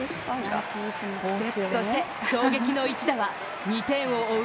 そして衝撃の一打は２点を追う